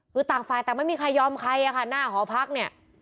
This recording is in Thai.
คือต่างฝ่ายต่างไม่มีใครยอมใครอะค่ะหน้าหอพักเนี่ย